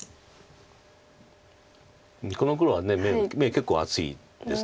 この黒は眼結構厚いです。